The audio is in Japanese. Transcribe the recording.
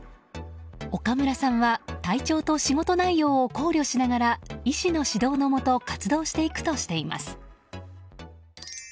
岡村さんは体調と仕事内容を考慮しながら医師の指導のもと活動していくとしています。